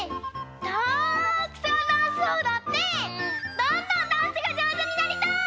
たくさんダンスをおどってどんどんダンスがじょうずになりたい！